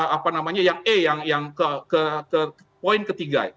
apa namanya yang e yang ke poin ketiga